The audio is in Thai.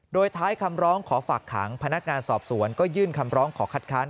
โดยท้ายคำร้องขอฝากขังพนักงานสอบสวนก็ยื่นคำร้องขอคัดค้าน